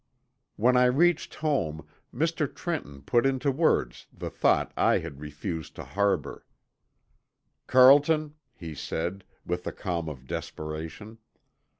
When I reached home Mr. Trenton put into words the thought I had refused to harbor. "Carlton," he said, with the calm of desperation.